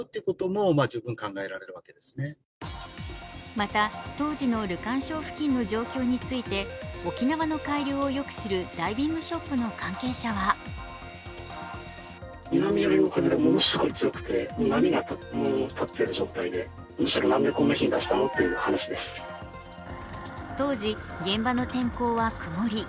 また、当時のルカン礁付近の状況について沖縄の海流をよく知るダイビングショップの関係者は当時、現場の天候は曇り。